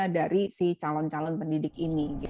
dari si calon calon pendidik ini